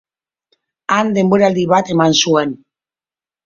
Han denboraldi bat eman zuen.